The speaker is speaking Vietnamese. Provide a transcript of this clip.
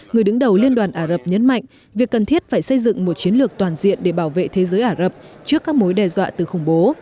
người đứng đầu liên đoàn ả rập nhấn mạnh việc cần thiết phải xây dựng một chiến lược toàn diện để bảo vệ thế giới ả rập trước các mối đe dọa từ khủng bố